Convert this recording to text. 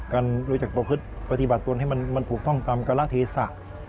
การรู้จักประพฤติปฏิบัติตัวให้มันถูกต้องกล่าเทศะ